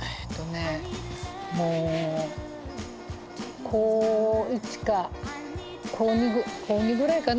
えっとねもう高１か高２ぐらいかな